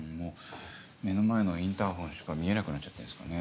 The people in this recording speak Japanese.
目の前のインターホンしか見えなくなっちゃってんすかね。